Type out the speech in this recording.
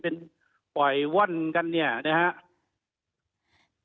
เป็นปล่อยว่อนกันเนี่ยนะครับ